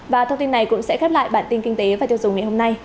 và thông tin này cũng sẽ khép lại bản tin kinh tế và tiêu dùng ngày hôm nay